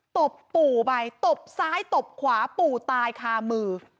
ตบปู่ไปตบซ้ายตบขวาปู่ตายคามือ